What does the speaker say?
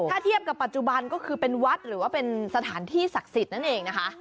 ถ้าเทียบกับปัจจุบันก็คือเป็นวัดหรือว่าเป็นสถานที่ศักดิ์สิทธิ์นั่นเองนะคะ